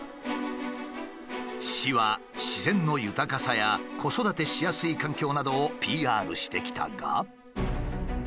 市は自然の豊かさや子育てしやすい環境などをＰＲしてきたが。